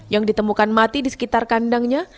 yang ditemukan mati di sekitar kandangnya